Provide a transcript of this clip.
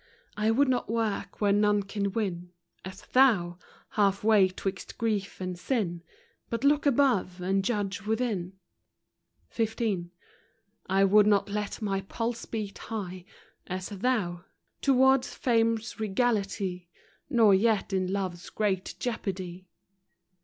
I would not work where none can win, As thou ,— half way 'twixt grief and sin, But look above, and judge within. xv. " I would not let my pulse beat high, As thou, — toward fame's regality, Nor yet in love's great jeopardy.